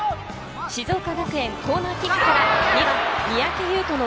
静岡学園、コーナーキックから２番・三宅優